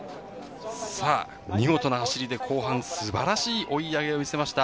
見事な走りで後半、素晴らしい追い上げを見せました。